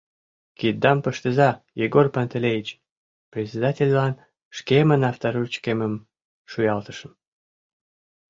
— Киддам пыштыза, Егор Пантелеич! — председательлан шкемын авторучкемым шуялтышым.